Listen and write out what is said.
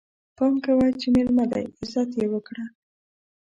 پام کوه چې ميلمه دی، عزت يې وکړه!